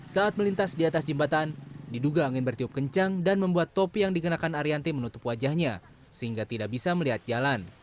saat melintas di atas jembatan diduga angin bertiup kencang dan membuat topi yang dikenakan arianti menutup wajahnya sehingga tidak bisa melihat jalan